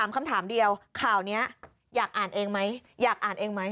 คำถามเดียวข้าวนี้อยากอ่านเองไหม